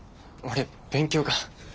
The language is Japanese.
俺勉強が。